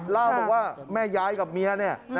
ล่าวบอกว่าแม่ยายกับเมีย